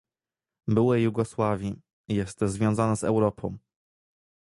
Byłej Jugosławii, jest związana z Europą!